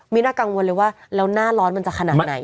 น่ากังวลเลยว่าแล้วหน้าร้อนมันจะขนาดไหน